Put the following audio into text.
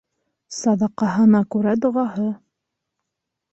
Саҙаҡаһына күрә доғаһы.